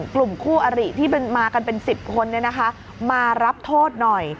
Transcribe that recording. กลุ่มคู่อริที่มากันเป็น๑๐คนมารับโทษหน่อย